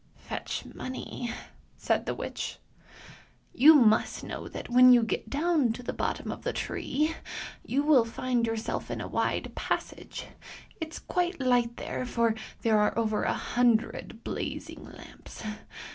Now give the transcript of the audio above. " Fetch money! " said the witch. " You must know that when you get down to the bottom of the tree you will find your self in a wide passage; it's quite light there, for there are over a hundred blazing lamps.